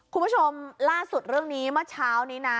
คุณผู้ชมล่าสุดเรื่องนี้เมื่อเช้านี้นะ